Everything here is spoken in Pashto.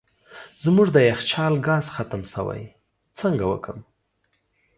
زموږ د یخچال ګاز ختم سوی څنګه وکم